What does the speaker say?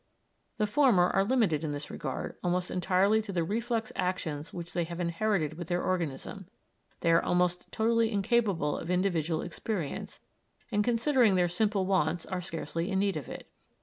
The former are limited in this regard almost entirely to the reflex actions which they have inherited with their organism, they are almost totally incapable of individual experience, and considering their simple wants are scarcely in need of it.